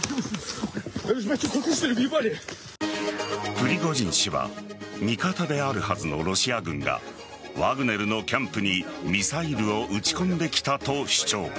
プリゴジン氏は味方であるはずのロシア軍がワグネルのキャンプにミサイルを撃ち込んできたと主張。